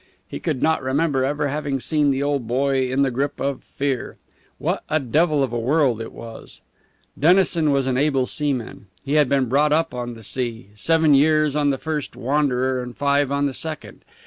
He could not remember ever having seen the old boy in the grip of fear. What a devil of a world it was! Dennison was an able seaman. He had been brought up on the sea seven years on the first Wanderer and five on the second.